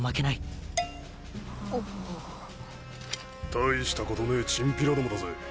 大したことねえチンピラどもだぜ。